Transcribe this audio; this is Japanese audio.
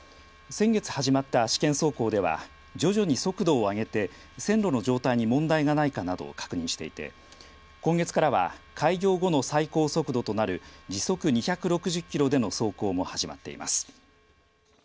先月始まった試験走行では徐々に速度を上げて線路の状態に問題がないかなどを確認していて今月からは開業後の最高速度となる時速２６０キロでの走行も始まっています。